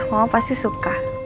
mama pasti suka